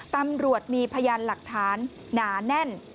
ตำรวจมีพยานหลักฐานหนาแน่น